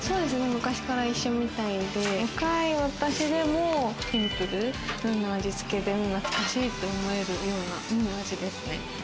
昔から一緒みたいで、若い私でも、シンプルな味付けで、懐かしいって思えるような感じですね。